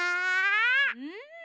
うん。